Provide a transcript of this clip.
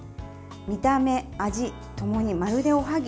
見た目、味ともに、まるでおはぎ。